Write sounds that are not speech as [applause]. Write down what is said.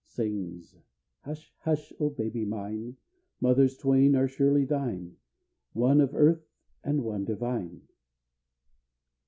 [sings] Hush, hush, O baby mine, Mothers twain are surely thine, One of earth and One divine.